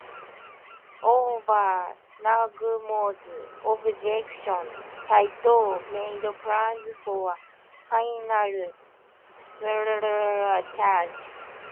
Over Nagumo's objections, Saito made plans for a final suicidal banzai charge.